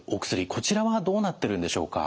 こちらはどうなってるんでしょうか？